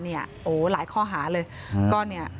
โหหลายข้อหาเลย